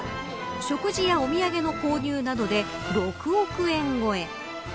食事やお土産の購入などで６億円超え。